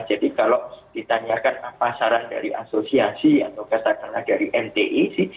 kalau ditanyakan apa saran dari asosiasi atau katakanlah dari mti sih